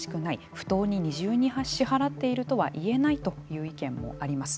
不当に二重に支払っているとは言えないという意見もあります。